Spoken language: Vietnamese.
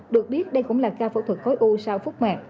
được biết đây cũng là cao phẫu thuật khối u sau phút mạc